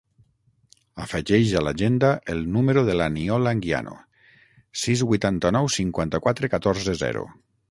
Afegeix a l'agenda el número de l'Aniol Anguiano: sis, vuitanta-nou, cinquanta-quatre, catorze, zero.